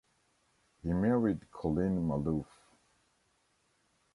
He married Colleen Maloof.